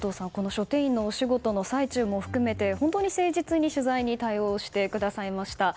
書店員の仕事の作業も含めて本当に誠実に取材に対応してくださいました。